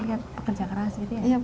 iya pekerja kerasnya aja ibu